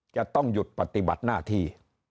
จะต้องหยุดปฏิบัติหน้าที่